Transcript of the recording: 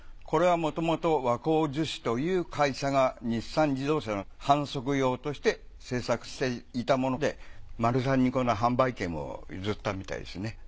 これはもともと和光樹脂という会社が日産自動車の販促用として製作していたものでマルサンにこの販売権を譲ったみたいですね。